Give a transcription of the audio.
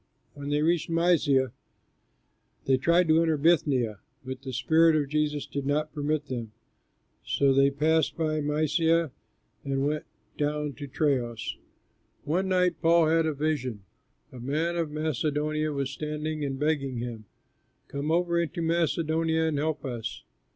When they reached Mysia they tried to enter Bithynia, but the Spirit of Jesus did not permit them; so passing by Mysia they went down to Troas. One night Paul had a vision: a man of Macedonia was standing and begging him, "Come over into Macedonia and help us."